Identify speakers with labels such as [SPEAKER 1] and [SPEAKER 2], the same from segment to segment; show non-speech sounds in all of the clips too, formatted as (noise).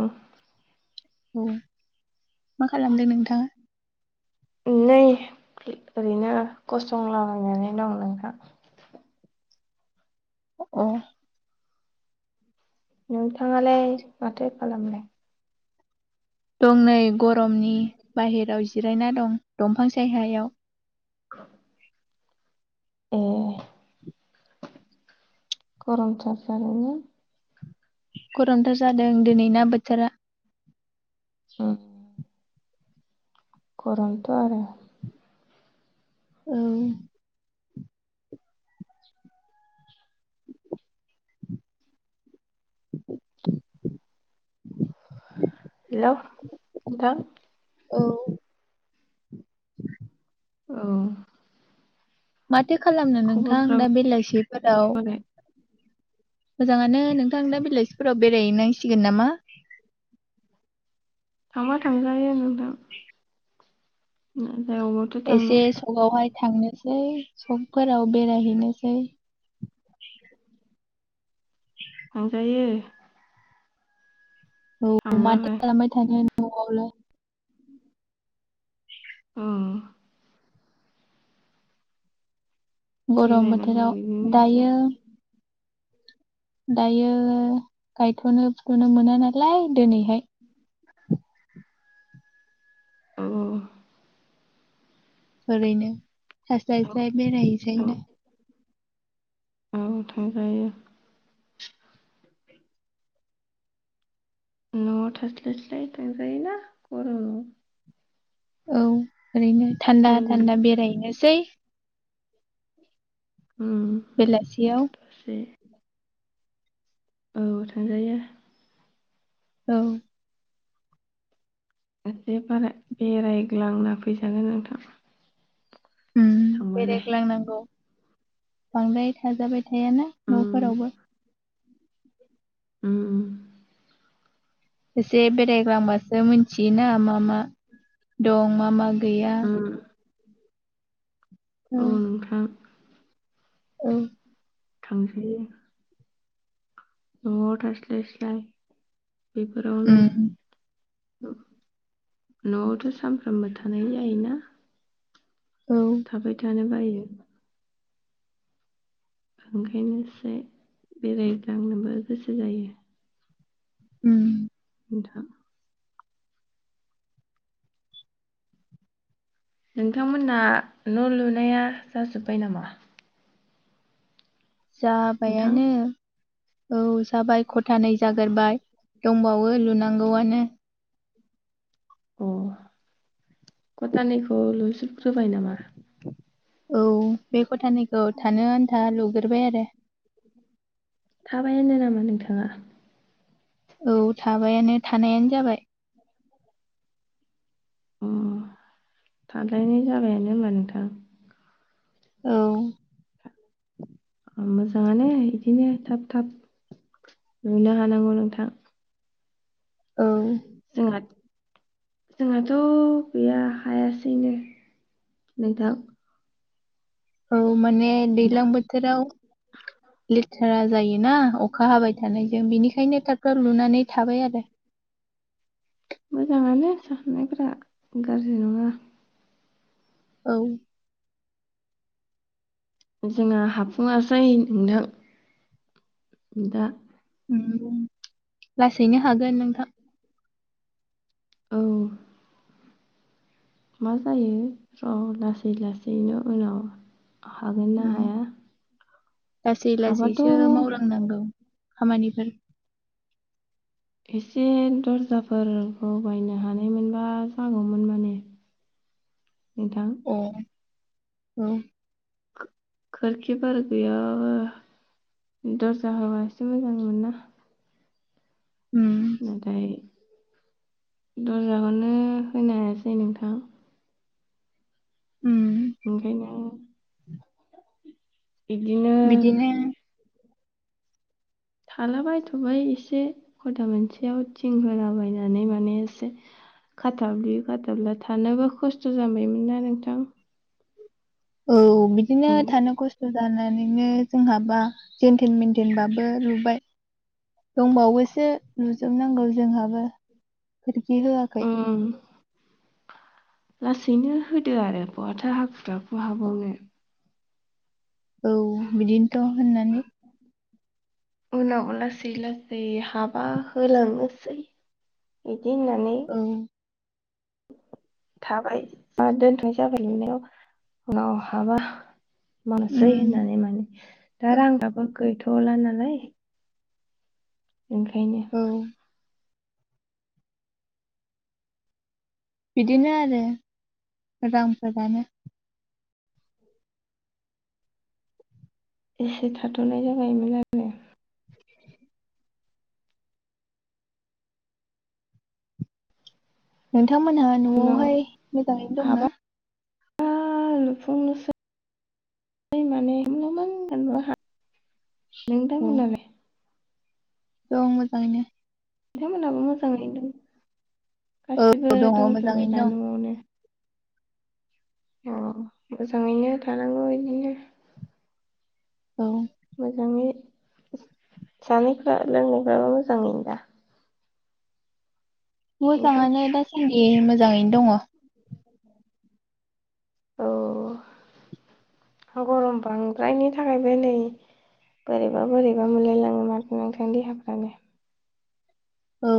[SPEAKER 1] उम
[SPEAKER 2] उम मा खालामदों नोंथाङा?
[SPEAKER 1] उम नै ओरैनो गसंलाबायनानै दं नोंथां।
[SPEAKER 2] ए
[SPEAKER 1] नोंथांङालाय माथो खालामनाय?
[SPEAKER 2] दं नै गरमनि बाहेराव जिरायना दं दंफां सायहायाव।
[SPEAKER 1] (inaudible) ए गरमथार जादों ना?
[SPEAKER 2] गरमथार जादों दिनैना बोथोरा
[SPEAKER 1] उम। गरमथ आरो
[SPEAKER 2] औ। (inaudible)
[SPEAKER 1] हेलौ नोंथां
[SPEAKER 2] औ।
[SPEAKER 1] ओ
[SPEAKER 2] माथो खालामनो नोंथां दा बेलायसेफोराव
[SPEAKER 1] बोरै
[SPEAKER 2] मोजाङानो नोंथां दा बिलायसेफोराव बेरायनांसिगोन नामा?
[SPEAKER 1] थांबा थांजायो नोंथां। (unintelligible) थांनो
[SPEAKER 2] एसे सगावहाय थांनोसै सकफोराव बेरायहैनोसै
[SPEAKER 1] थांजायो।
[SPEAKER 2] औ माथो
[SPEAKER 1] थांबालाय
[SPEAKER 2] खालामबाय थानो नआवलाय
[SPEAKER 1] उम।
[SPEAKER 2] गरम
[SPEAKER 1] बेरायनांगौ
[SPEAKER 2] बोथोराव
[SPEAKER 1] बिदिनो एसे
[SPEAKER 2] दायो दायो गायथनो फुथनो मोना नालाय दिनैहाय
[SPEAKER 1] औ औ औ।
[SPEAKER 2] ओरैनो
[SPEAKER 1] थां
[SPEAKER 2] थास्लायस्लाय
[SPEAKER 1] थां
[SPEAKER 2] बेरायहैजायोना।
[SPEAKER 1] औ थांजायो। न'आव थास्लायस्लाय थांजायो ना गरमाव।
[SPEAKER 2] औ ओरैनो थान्दा थान्दा
[SPEAKER 1] ओरैनो
[SPEAKER 2] बेरायहैनोसै।
[SPEAKER 1] उम
[SPEAKER 2] बेलासियाव
[SPEAKER 1] दसे औ थांजायो
[SPEAKER 2] औ
[SPEAKER 1] एसे बारा बेरायग्लांना फैजागोन नोंथां।
[SPEAKER 2] उम
[SPEAKER 1] थांबालाय
[SPEAKER 2] बेरायग्लांनांगौ बांद्राय थाजाबाय थायाना
[SPEAKER 1] उम
[SPEAKER 2] न'फोरावबो।
[SPEAKER 1] उम
[SPEAKER 2] एसे बेरायग्लांबा सो मिन्थियोना मा मा दं मा मा गैया।
[SPEAKER 1] उम औ नोंथां
[SPEAKER 2] औ
[SPEAKER 1] थांसै न'आव थास्लायस्लाय
[SPEAKER 2] उम
[SPEAKER 1] बेफोरावनो न'आवथ' सानफ्रोमबो थानाय जायोना
[SPEAKER 2] औ
[SPEAKER 1] थाबाय थानो बायो ओंखायनो एसे बेरायग्लांनोबो गोसो जायो।
[SPEAKER 2] उम
[SPEAKER 1] नोंथां नोंथांमोनना न' लुनाया जाजोब्बाय नामा? नोंथां
[SPEAKER 2] जाबायानो औ जाबाय खथानै जागोरबाय। दंबावो लुनांगौआनो
[SPEAKER 1] अ कटानैखौ लुस्रुदग्रोबाय नामा?
[SPEAKER 2] औ बे खथानैखौ थानो आन्था लुग्रोबाय आरो
[SPEAKER 1] थाबायानो नामा नोंथाङा
[SPEAKER 2] औ थाबायानो थानायानो जाबाय।
[SPEAKER 1] उम थाजानाय जाबायानो होनबा नोंथां
[SPEAKER 2] औ।
[SPEAKER 1] मोजाङानो इदिनो थाब थाब नुनो हानांगौ नोंथां।
[SPEAKER 2] औ।
[SPEAKER 1] जोंङाद जोंहाथ' गैया हायासैनो नै दा
[SPEAKER 2] औ माने
[SPEAKER 1] दा
[SPEAKER 2] दैलां बोथोराव
[SPEAKER 1] (inaudible)
[SPEAKER 2] लेथ्रा जायोना अखा हाबाय थानायजों बिनिखायनो थाब थाब लुनानै थाबाय आरो
[SPEAKER 1] मोजाङानो साननायफोरा गाज्रि नङा।
[SPEAKER 2] औ
[SPEAKER 1] जोंना हाफुङासै नोंथां दा।
[SPEAKER 2] लासैनो हागोन नोंथां।
[SPEAKER 1] औ। मा जायो र'लासै लासैनो उनाव हागोनना
[SPEAKER 2] उम,
[SPEAKER 1] हाया।
[SPEAKER 2] लासै लासैसो
[SPEAKER 1] हाबाथ'
[SPEAKER 2] मावलांनांगौ खामानिफोर
[SPEAKER 1] एसे दर्जाफोरखौ बायनो हानायमोनबा जागौमोन माने नोंथां
[SPEAKER 2] अ औ
[SPEAKER 1] खोरखिफोर गैयाबाबो दरजा होबा एसे मोजां मोनो ना।
[SPEAKER 2] उम
[SPEAKER 1] नाथाय दर्जाखौनो होनो हायासै नोंथां।
[SPEAKER 2] उम
[SPEAKER 1] ओंखायनो बिदिनो
[SPEAKER 2] बिदिनो
[SPEAKER 1] थालाबायथ'बाय एसे खथा मोनसेयाव थिं होलाबायनानै माने एसे खाथाब्लि खाथाबला थानोबो खस्थ' जाबायमोन ना नोंथां।
[SPEAKER 2] औ बिदिनो
[SPEAKER 1] ओं
[SPEAKER 2] थानो खस्थ' जा नानैनो जोंहाबा जेनथेन बेेनथेनबाबो लुबाय। दंबावोसो लुजोबनांगौ जोंहाबो खोरखि होआखै
[SPEAKER 1] ओं लासैनो होदो आरो बहाथो हाखु दाखु हाबावनो
[SPEAKER 2] औ बिदिनोथ' होननानै
[SPEAKER 1] उनाव लासै लासै हाबा होलांनोसै बिदि होननानै
[SPEAKER 2] औ
[SPEAKER 1] (inaudible) थाबाय बा दोनथनाय जाबाय लुनायाव उनाव हाबा मासै
[SPEAKER 2] उम
[SPEAKER 1] होननानै माने दा रां आबो गैथला नालाय । ओंखायनो
[SPEAKER 2] औ बिदिनो आरो रांफोरानो (unintelligible)
[SPEAKER 1] एसे थाथनाय जाबायमोन आरो ।
[SPEAKER 2] नोंथांमोनहा
[SPEAKER 1] उनाव
[SPEAKER 2] नआवहाय मोजाङैनो दंना?
[SPEAKER 1] हाबा (unintelligible)
[SPEAKER 2] औ
[SPEAKER 1] (unintelligible)
[SPEAKER 2] दं मोजाङैनो ।
[SPEAKER 1] नोंथांमोनहाबो मोजाङैनो दं गासिबो
[SPEAKER 2] औ दङ
[SPEAKER 1] दंजोबो दा
[SPEAKER 2] मोजाङैनो
[SPEAKER 1] नआवनो । (inaudible) अ मोजाङैनो थानांगौ बिदिनो ।
[SPEAKER 2] औ ।
[SPEAKER 1] मोजाङै जानायफ्रा लोंनायफ्राबो मोजाङै दा? नोंथां
[SPEAKER 2] मोजाङानो दासान्दि मोजाङैनो दङ ।
[SPEAKER 1] औ । गरम बांद्रायनि थाखायबो नै बोरैबा बोरैबा मोनलायलाङो माथो नोंथां देहाफ्रानो ।
[SPEAKER 2] औ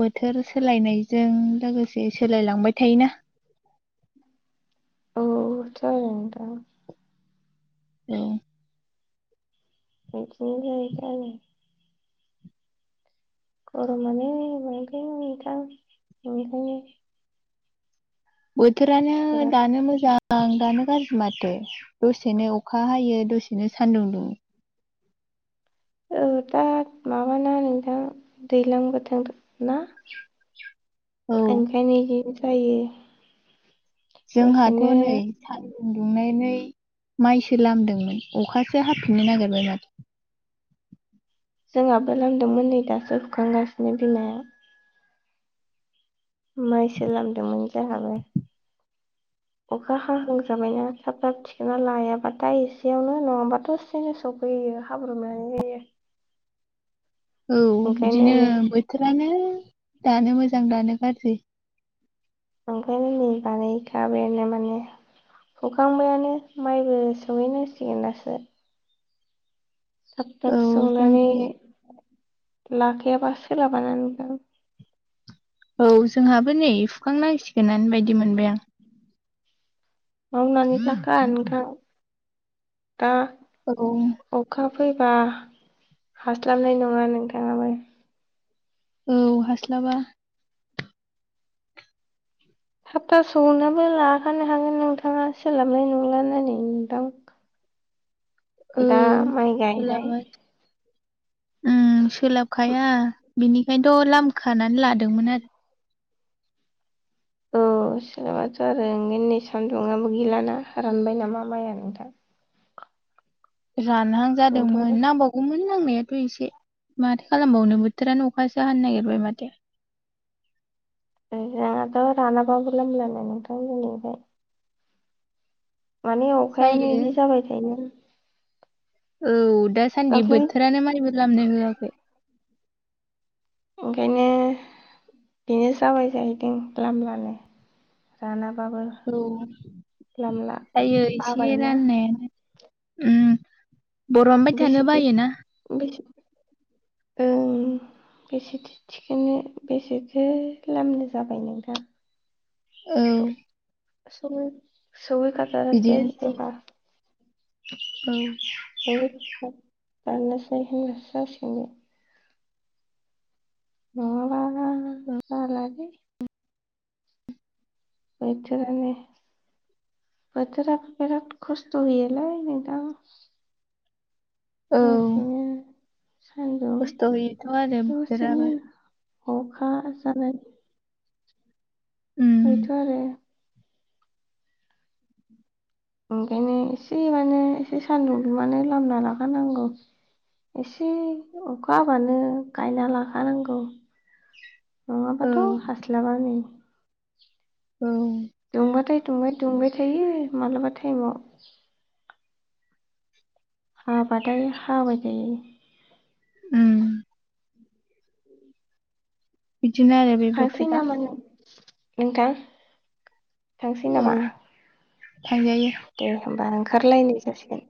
[SPEAKER 2] बोथोर सोलायनायजों लोगोसे सोलायलांबाय थायोना ।
[SPEAKER 1] औ थ आरो नोंथां ।
[SPEAKER 2] (unintelligible)
[SPEAKER 1] (unintelligible) गरमानो (unintelligible)
[SPEAKER 2] बोथोरानो
[SPEAKER 1] बिराद
[SPEAKER 2] दानो मोजां दानो गाज्रि माथो दसेनो अखा हायो दसेनो सानदुं दुङो ।
[SPEAKER 1] औ दा माबाना नोंथां दैज्लां बोथोर ना ।
[SPEAKER 2] (inaudible)
[SPEAKER 1] (unintelligible)
[SPEAKER 2] जोंहाथ
[SPEAKER 1] दसेनो
[SPEAKER 2] नै सान न्दुं दुंनानै माइसो लामदोंमोन अखासो हाबफिननो नागिरबाय माथो।
[SPEAKER 1] जोंहाबो लामदोंमोन नै दासो हुखांगासिनो बिमाया माइसो लामदोंमोन जोंहाबो । अखा हांहां जाबायना थाब थाब थिखोना लायाबा दा एसेयावनो नङाबाथ दसेेनो सफैयो । (unintelligible)
[SPEAKER 2] औ बिदिनो
[SPEAKER 1] नै
[SPEAKER 2] बोथोरानो दानो मोजां दानो गाज्रि।
[SPEAKER 1] ओंखायनो नै बानायखाबायानो माने। सखांबायानो माइबो सौहैनांसिगोन दासो । थाब
[SPEAKER 2] औ
[SPEAKER 1] थाब
[SPEAKER 2] जों
[SPEAKER 1] संनानानै लाखायाबा सोलाबाना नोंथां।
[SPEAKER 2] औ जोंहाबो नै हुखांनांसिगोनानो बायदि मोनबाय आं ।
[SPEAKER 1] मावनानै लाखा नोंथां । दा
[SPEAKER 2] औ
[SPEAKER 1] अखा फैबा हास्लाबनाय नङा नोंथाङाबो ।
[SPEAKER 2] औ हास्लाबा।
[SPEAKER 1] (unintelligible)
[SPEAKER 2] औ
[SPEAKER 1] दा माइ गायनाय
[SPEAKER 2] सोलाबा। उम सोलाबखाया बेनिखायनोथ' लामखानानै लादोंमोन आरो ।
[SPEAKER 1] अ। औ सोलाबाथ' आरो उनै सानदुुंआबो गैलाना रानबाय नामा माइया नोंथां।
[SPEAKER 2] आरो रानहां
[SPEAKER 1] नोंथां
[SPEAKER 2] जादोंमोन नांबावगौमोन नांनायाथ'। इसे माथो खालामबावनो बोथोरानो अखासो हानो नागिरबाय माथो।
[SPEAKER 1] जोंनाथ' रानाबाबो लामलायानो नोंथां दिनैफ्राय । मानि अखायानो
[SPEAKER 2] जायो
[SPEAKER 1] बिदि जाबाय थायो।
[SPEAKER 2] औ दासान्दि
[SPEAKER 1] दाख्लै
[SPEAKER 2] बोथोरानो माइबो लामनो होआखै‌।
[SPEAKER 1] ओंखायनो बेनो जाबाय जाहैदों लामबानो राना।
[SPEAKER 2] औ जायो एसे
[SPEAKER 1] बाबायना
[SPEAKER 2] राननायानो। उम बर'नबाय थानो बायोना।
[SPEAKER 1] औ। बेसेथो थिखोनो बेसेथो लामनो जाबाय नोंथां।
[SPEAKER 2] औ।
[SPEAKER 1] (unintelligible)
[SPEAKER 2] औ।
[SPEAKER 1] (unintelligible) नङाबा जालालै। बोथोरानो। बोथोरा बिराद खस्थ' होयोलै नोंथां।
[SPEAKER 2] औ।
[SPEAKER 1] दसेनो सान्दुं
[SPEAKER 2] खस्थ' होयोथ' आरो बोथोराबो
[SPEAKER 1] दसेनो अखा जानाय
[SPEAKER 2] उम
[SPEAKER 1] (unintelligible) ओंखायनो एसे माने एसे सान्दुं दुंबानो लामना लाखानांगौ। एसे अखा हाबानो गायना लाखानांगौ।
[SPEAKER 2] औ
[SPEAKER 1] नङाबाथ' हास्लाबा नै।
[SPEAKER 2] औ।
[SPEAKER 1] दुंबा दुंबाय थायो मालाबा टाइमाव। हाबाथाय हाबाय थायो।
[SPEAKER 2] उम। बिदिनो आरो बे
[SPEAKER 1] थांसै
[SPEAKER 2] बोथोरा।
[SPEAKER 1] नामा नों- नोंथां थांसै
[SPEAKER 2] औ
[SPEAKER 1] नामा?
[SPEAKER 2] थांजायो
[SPEAKER 1] दे होमबा ओंखारलायनाय जासिगोन।